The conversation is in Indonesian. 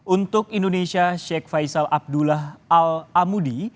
untuk indonesia sheikh faisal abdullah al amudi